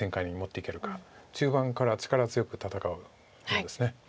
中盤から力強く戦う碁です。